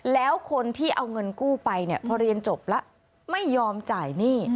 แล้วคนที่เอาเงินกู้ไปเนี่ยพอเรียนจบแล้วไม่ยอมจ่ายหนี้